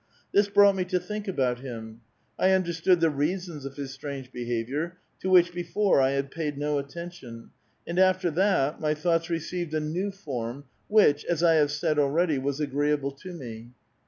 This brought me to think about him : I understood the reasons of his strange behavior, to which before I had paid no attention, and after that my thoughts received a new form, which, as I have said already, was agreeable to me.